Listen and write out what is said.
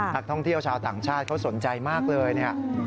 นักท่องเที่ยวชาวต่างชาติเขาสนใจมากเลยเนี่ย